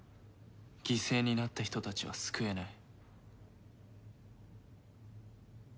犠牲になった人たちは救えない。